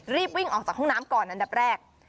รีบวิ่งออกจากห้องน้ำก่อนอันดับแรก